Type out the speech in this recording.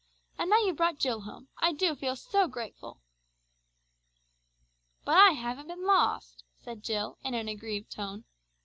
And now you've brought Jill home. I do feel so grateful." "But I haven't been lost," said Jill in an aggrieved tone.